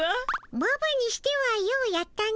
ババにしてはようやったの。